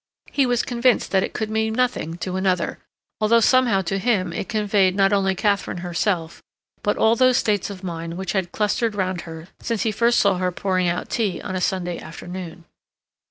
He was convinced that it could mean nothing to another, although somehow to him it conveyed not only Katharine herself but all those states of mind which had clustered round her since he first saw her pouring out tea on a Sunday afternoon.